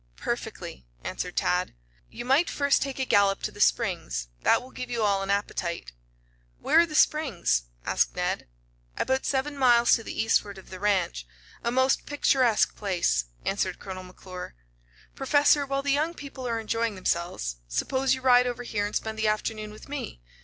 "Perfectly," answered Tad. "You might first take a gallop to the Springs. That will give you all an appetite." "Where are the Springs?" asked Ned. "About seven miles to the eastward of the ranch. A most picturesque place," answered Colonel McClure. "Professor, while the young people are enjoying themselves, suppose you ride over here and spend the afternoon with me?